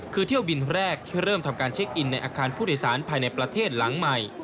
คือเที่ยวบินแรกที่เริ่มทำการเช็คอินในอาคารผู้โดยสารภายในประเทศหลังใหม่